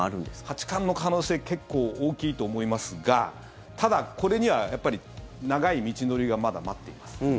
八冠の可能性結構大きいと思いますがただ、これにはやっぱり長い道のりがまだ待っています。